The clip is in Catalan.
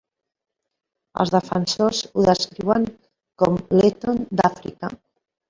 Els defensors ho descriuen com l'Eton d'Àfrica.